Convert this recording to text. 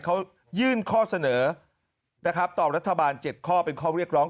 เขายื่นข้อเสนอนะครับต่อรัฐบาล๗ข้อเป็นข้อเรียกร้อง